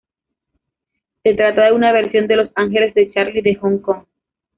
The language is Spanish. Se trata de una versión de Los Ángeles de Charlie de Hong Kong.